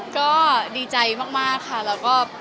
ก็ดีใจมากค่ะแล้วก็